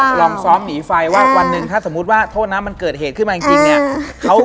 ลองซ้อมหนีไฟว่าวันหนึ่งถ้าสมมุติว่าโทษน้ำมันเกิดเหตุขึ้นมาจริงเนี่ย